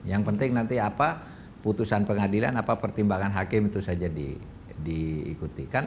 yang penting nanti apa putusan pengadilan apa pertimbangan hakim itu saja diikutikan